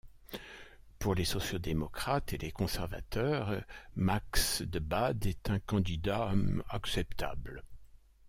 Pour les sociaux-démocrates et les conservateurs, Max de Bade est un candidat acceptable.